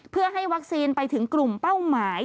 เพื่อให้วัคซีนไปถึงกลุ่มเป้าหมาย